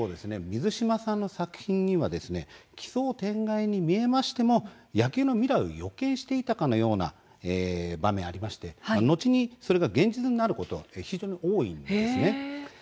水島さんの作品には奇想天外に見えましても野球の未来を予見していたかのような場面がありまして後にそれが現実になることが非常に多いんですね。